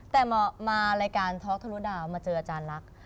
แต่มารายการท็อกทะลุดาวมาเจออาจารย์ลักษณ์